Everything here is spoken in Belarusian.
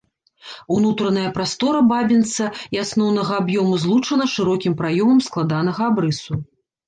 Унутраная прастора бабінца і асноўнага аб'ёму злучана шырокім праёмам складанага абрысу.